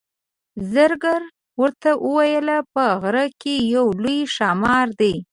زرګر ورته وویل په غره کې یو لوی ښامار دی.